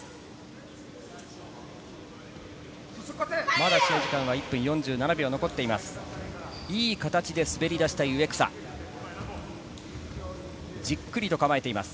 まだ１分４７秒残っています。